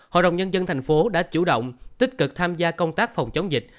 hội đồng nhân dân thành phố đã chủ động tích cực tham gia công tác phòng chống dịch